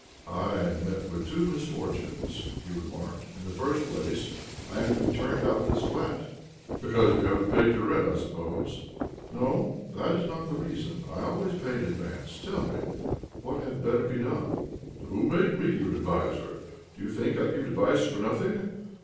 " I have met with two misfortunes," he remarked, " In the first place, I am to be turned out of this flat." " Because you haven't paid your rent, I suppose ?"" No, that is not the reason. I always j)ay in advance. Tell me what had better be done." "Who made me your adviser? Do you think I give advice for nothing?